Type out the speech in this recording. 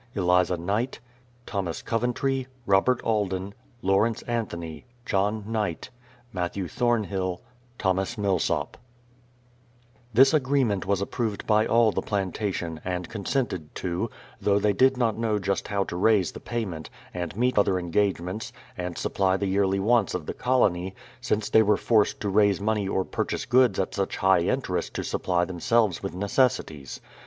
Newbald John Knight John Revell Thomas Heath Matthew Thornhill Peter Gudburn Joseph Tilden Thomas Millsop This agreement was approved by all the plantation, and consented to, though they did not know just how to raise the payment, and meet other engagements, and supply the yearly wants of the colony, since they were forced to raise money or purchase goods at such high interest to supply themselves with necessities.